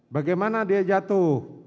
bagaimana dia jatuh